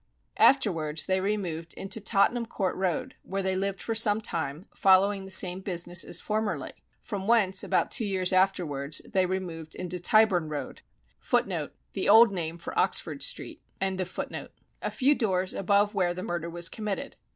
Afterwards they removed into Tottenham Court Road, where they lived for some time, following the same business as formerly; from whence about two years afterwards, they removed into Tyburn Road, a few doors above where the murder was committed.